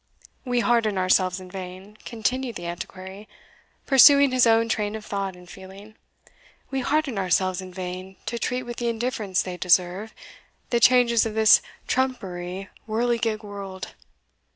"We harden ourselves in vain," continued the Antiquary, pursuing his own train of thought and feeling "we harden ourselves in vain to treat with the indifference they deserve, the changes of this trumpery whirligig world.